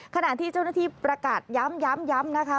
ขณะที่เจ้าหน้าที่ประกาศย้ำนะคะ